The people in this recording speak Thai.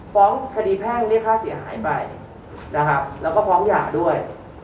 ฟ้องคดีแพ่งเรียกค่าเสียหายไปนะครับแล้วก็ฟ้องหย่าด้วย